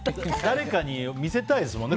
誰かに見せたいですもんね